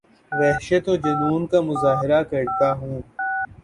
وحشت اورجنون کا مظاہرہ کرتا ہوں